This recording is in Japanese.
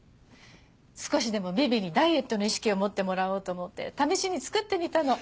少しでもビビにダイエットの意識を持ってもらおうと思って試しに作ってみたの。